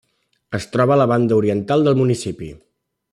Es troba a la banda oriental del municipi.